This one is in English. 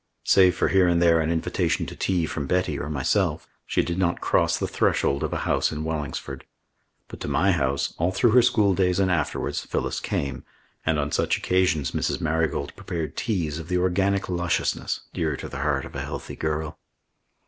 Save for here and there an invitation to tea from Betty or myself, she did not cross the threshold of a house in Wellingsford. But to my house, all through her schooldays and afterwards, Phyllis came, and on such occasions Mrs. Marigold prepared teas of the organic lusciousness dear to the heart of a healthy girl.